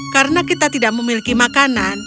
karena kita tidak memiliki makanan